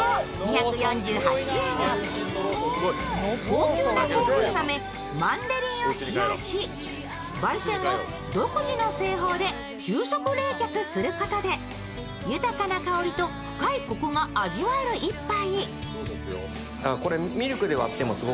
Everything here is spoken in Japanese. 高級なコーヒー豆マンデリンを使用し焙煎後、独自の製法で急速冷却することで豊かな香りと深いこくが味わえる一杯。